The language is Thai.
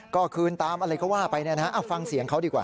ก็คืนตามอะไรเขาว่าไปนะฮะฟังเสียงเขาดีกว่า